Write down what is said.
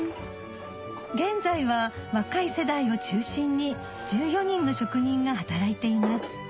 現在は若い世代を中心に１４人の職人が働いています